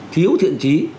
thiếu thiện trí